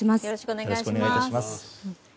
よろしくお願いします。